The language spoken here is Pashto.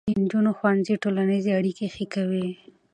د نجونو ښوونځي ټولنیزې اړیکې ښې کوي.